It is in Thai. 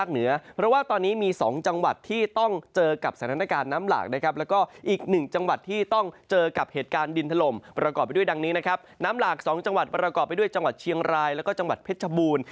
น้ำหลาก๒จังหวัดปรากอบไปด้วยจังหวัดเชียงรายแล้วก็จังหวัดเพชรบูรณ์